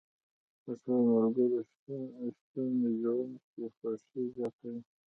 د ښو ملګرو شتون ژوند کې خوښي زیاتوي